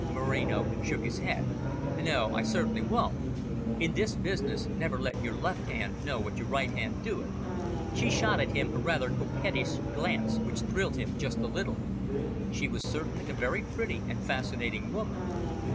Moreno shook his head. "No, I certainly won't. In this business, never let your left hand know what your right hand doeth." She shot at him a rather coquettish glance, which thrilled him just a little. She was certainly a very pretty and fascinating woman.